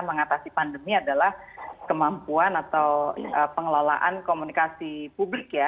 mengatasi pandemi adalah kemampuan atau pengelolaan komunikasi publik ya